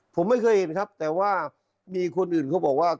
ผมไม่เคยเห็นครับแต่ว่ามีคนอื่นเขาบอกว่า